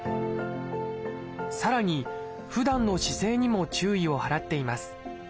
さらにふだんの姿勢にも注意を払っています。